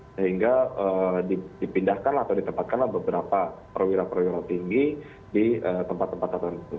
sehingga dipindahkan atau ditempatkanlah beberapa perwira perwira tinggi di tempat tempat tertentu